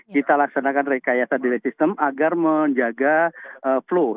kita laksanakan rekayasa delay system agar menjaga flow